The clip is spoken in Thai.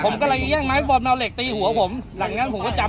มันหน้าอยู่ข้างหลังน่ะ